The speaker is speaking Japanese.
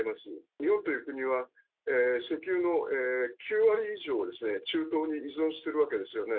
日本という国は、石油の９割以上を中東に依存してるわけですよね。